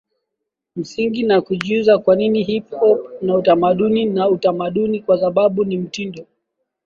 msingi ni kujiuliza kwanini hip hop ni utamaduni Ni utamaduni kwasababu ni mtindo